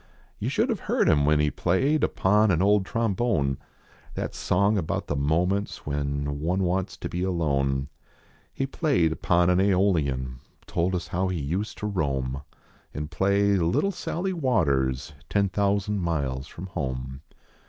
Yon should have heard him when he played Upon an old trombone That song about the moments when One wants to be alone. He played upon an Aeolian, Told us how he used to roam An play " Little Sally Waters" Ten thousand miles from home.